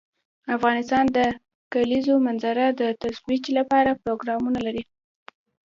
افغانستان د د کلیزو منظره د ترویج لپاره پروګرامونه لري.